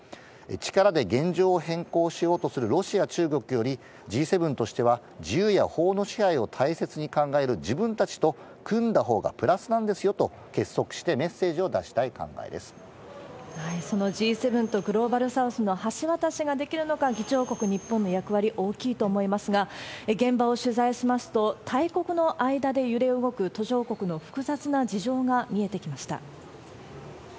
力で現状を変更しようとするロシア、中国より、Ｇ７としては、自由や法の支配を大切に考える自分たちと組んだほうがプラスなんですよと、結束してメッセージを出そのＧ７とグローバルサウスの橋渡しができるのか、議長国、日本の役割、大きいと思いますが、現場を取材しますと、大国の間で揺れ動く途上国の複雑な事情が見えてきました。